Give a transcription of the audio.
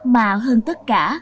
mà hơn tất cả